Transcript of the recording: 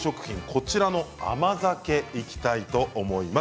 こちらの甘酒にいきたいと思います。